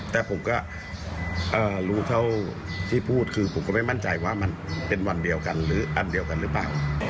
แต่ผมก็รู้เท่าที่พูดคือผมก็ไม่มั่นใจว่ามันเป็นวันเดียวกันหรืออันเดียวกันหรือเปล่า